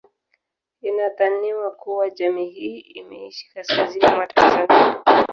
Inadhaniwa kuwa jamii hii imeishi kaskazini mwa Tanzania